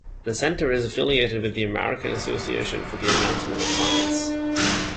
The Center is affiliated with the American Association for the Advancement of Science.